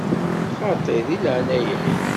Xaṭi, deg leɛnaya-k!